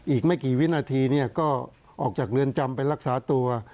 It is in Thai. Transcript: อีกไม่กี่วินาทีก็ออกจากเรือนจำไปรักษาตัว